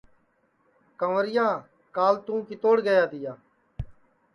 کنٚورِیا کال تُوں کِتوڑ تِیا